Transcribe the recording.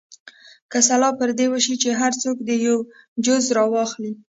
که سلا پر دې وشي چې هر څوک دې یو جز راواخلي.